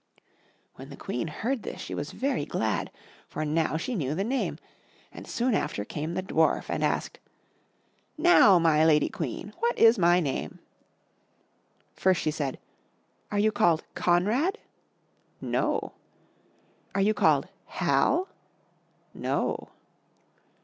'" When the Queen heard this she was very glad, for now she knew the name; and soon after came the Dwarf, and asked, "Now, my lady Queen, what is my name?" First she said, "Are you called Conrade?" "No." "Are you called Hal?" "No."